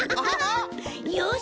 よし！